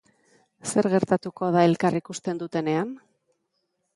Zer gertatuko da elkar ikusten dutenean?